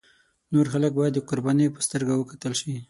نور خلک باید د قربانیانو په سترګه وکتل شي.